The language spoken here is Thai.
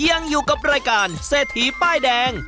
ยังอยู่กับรายการเศรษฐีป้ายแดง